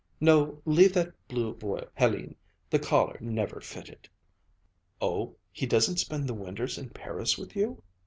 "No, leave that blue voile, Hélène, the collar never fitted." "Oh, he doesn't spend the winters in Paris with you?"